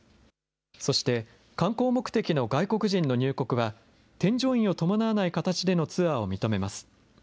そして観光目的の外国人の入国は、添乗員を伴わない形でのツアーを認めます。